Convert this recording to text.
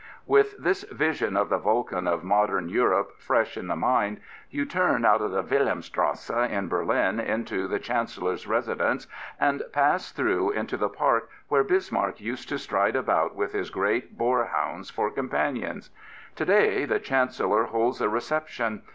With this vision of the Vulcan of modern Europe fresh in the mind you turn out of the Wilhelmstrasse at Berlin into the Chancellor's residence and pass through into the park where Bismarck used to stride about with his great boarhounds for companions. To day the Chancellor holds a reception.